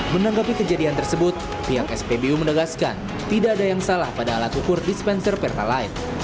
menanggapi kejadian tersebut pihak spbu menegaskan tidak ada yang salah pada alat ukur dispenser pertalite